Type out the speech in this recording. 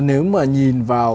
nếu mà nhìn vào